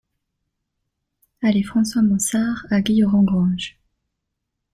Allée François Mansard à Guilherand-Granges